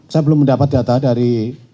saya belum mendapat data dari